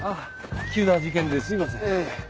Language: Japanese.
急な事件ですいません。